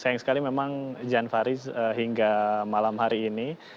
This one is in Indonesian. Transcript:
sayang sekali memang jan farid hingga malam hari ini